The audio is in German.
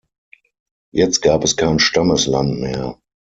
Jetzt gab es kein Stammesland mehr.